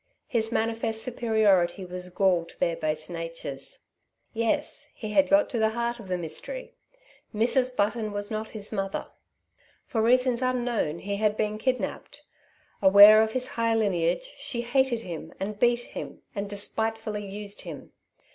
His manifest superiority was gall to their base natures. Yes, he had got to the heart of the mystery. Mrs. Button was not his mother. For reasons unknown he had been kidnapped. Aware of his high lineage, she hated him and beat him and despitefully used him.